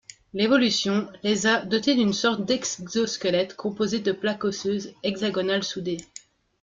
L'évolution les a doté d'une sorte d'exosquelette composé de plaques osseuses hexagonales soudées.